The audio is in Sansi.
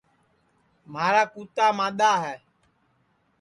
مھارا کُوتا مادؔا ہے